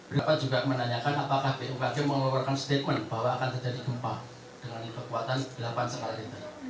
bapak juga menanyakan apakah bmkg mengeluarkan statement bahwa akan terjadi gempa dengan kekuatan delapan skala liter